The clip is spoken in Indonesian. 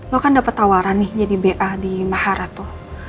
lo kan dapet tawaran nih jadi ba di maharatu